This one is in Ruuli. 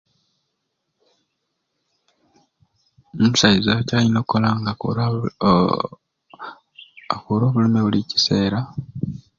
Omusaiza kyayina okola nga akuura aaa akuura obulumi buli kiseera.